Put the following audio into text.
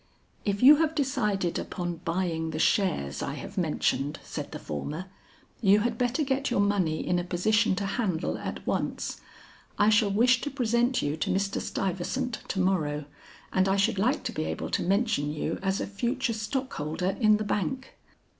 "If you have decided upon buying the shares I have mentioned," said the former, "you had better get your money in a position to handle at once. I shall wish to present you to Mr. Stuyvesant to morrow, and I should like to be able to mention you as a future stockholder in the bank."